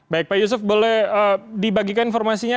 baik pak yusuf boleh dibagikan informasinya